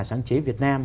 sáng chế việt nam